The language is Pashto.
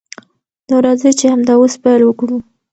نو راځئ چې همدا اوس پیل وکړو.